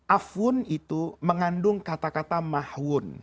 afun itu mengandung kata kata mahun